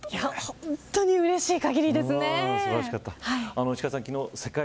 本当にうれしい限りですね。